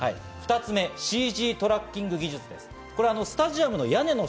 ２つ目、ＣＧトラッキング技術です。